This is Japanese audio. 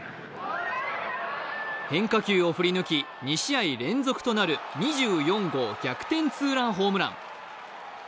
変化球を振り抜き、２試合連続となる２４号逆転ツーランホームラン。